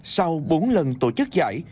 sau bốn lần tổ chức dạy